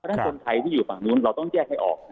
ฉะคนไทยที่อยู่ฝั่งนู้นเราต้องแยกให้ออก